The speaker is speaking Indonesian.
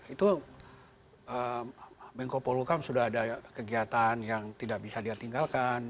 itu menko polhukam sudah ada kegiatan yang tidak bisa ditinggalkan